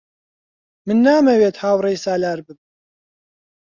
من نامەوێت هاوڕێی سالار بم.